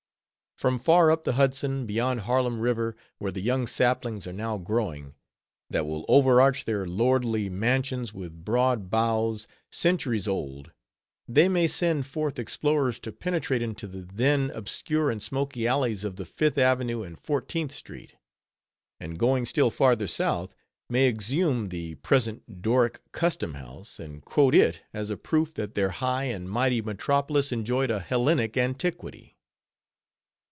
From far up the Hudson, beyond Harlem River, where the young saplings are now growing, that will overarch their lordly mansions with broad boughs, centuries old; they may send forth explorers to penetrate into the then obscure and smoky alleys of the Fifth Avenue and Fourteenth street; and going still farther south, may exhume the present Doric Custom house, and quote it as a proof that their high and mighty metropolis enjoyed a Hellenic antiquity.